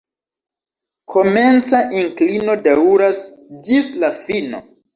Komenca inklino daŭras ĝis la fino.